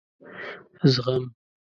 زغم ....